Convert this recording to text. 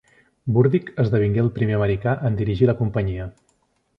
Burdick esdevingué el primer americà en dirigir la companyia.